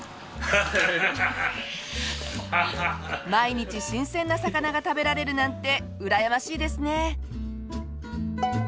毎日新鮮な魚が食べられるなんてうらやましいですね。